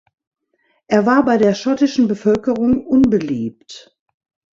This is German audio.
Er war bei der schottischen Bevölkerung unbeliebt.